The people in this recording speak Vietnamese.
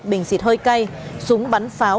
bình xịt hơi cay súng bắn pháo